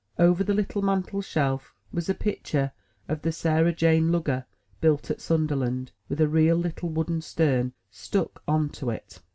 Over the little mantel shelf, was a picture of the Sarah Jane Lugger, built at Sunderland, with a real little wooden stem stuck on to it.